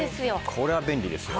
これは便利ですよ。